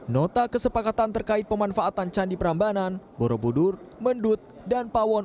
nota kesepakatan terkait pemanfaatan candi prambanan borobudur mendut dan pawon